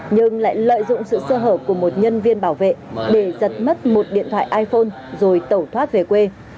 nhưng lại lợi dụng sự sơ hở của một nhân viên bảo vệ để giật mất một điện thoại iphone rồi tẩu thoát về quê